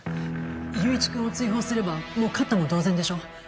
友一くんを追放すればもう勝ったも同然でしょ？